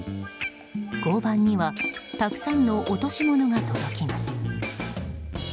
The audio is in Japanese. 交番にはたくさんの落とし物が届きます。